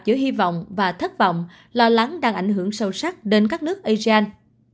giữa hy vọng và thất vọng lo lắng đang ảnh hưởng sâu sắc đến các nước asean